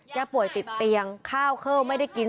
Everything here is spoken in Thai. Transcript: ป่วยติดเตียงข้าวเข้าไม่ได้กิน